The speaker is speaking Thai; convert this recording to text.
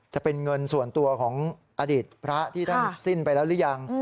จะเป็นเงินส่วนตัวของอดีตพระที่ท่านสิ้นไปแล้วหรือยัง